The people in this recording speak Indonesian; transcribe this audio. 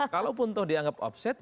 kalau pun dianggap offset